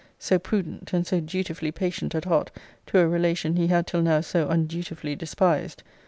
so prudent, and so dutifully patient at heart to a relation he had till now so undutifully despised!